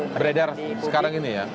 beredar sekarang ini ya